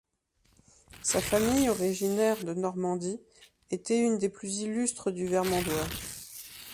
Sa famille, originaire de Normandie, était une des plus illustres du Vermandois.